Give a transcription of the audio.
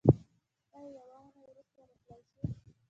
ایا یوه اونۍ وروسته راتلی شئ؟